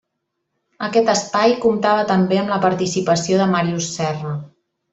Aquest espai comptava també amb la participació de Màrius Serra.